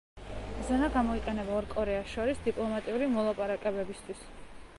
ზონა გამოიყენება ორ კორეას შორის დიპლომატიური მოლაპარაკებებისთვის.